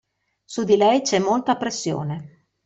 Su di lei c'è molta pressione.